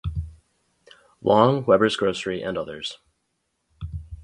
Long, Weber's Grocery, and others.